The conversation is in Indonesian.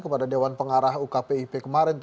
kepada dewan pengarah ukp ip kemarin